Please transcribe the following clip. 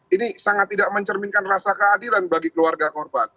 ini sangat tidak mencerminkan rasa keadilan bagi keluarga korban